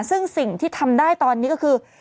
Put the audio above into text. ซึ่งสิ่งที่ทำได้ตอนนี้ก็คือ